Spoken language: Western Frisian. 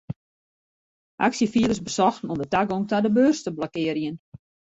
Aksjefierders besochten om de tagong ta de beurs te blokkearjen.